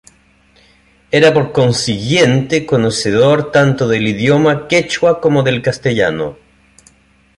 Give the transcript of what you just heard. Era por consiguiente, conocedor tanto del idioma quechua como del castellano.